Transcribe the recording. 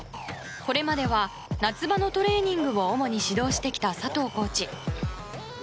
これまでは夏場のトレーニングを主に指導してきた佐藤コーチ。